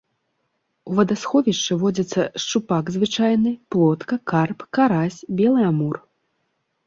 У вадасховішчы водзяцца шчупак звычайны, плотка, карп, карась, белы амур.